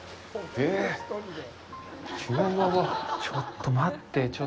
ちょっと待って。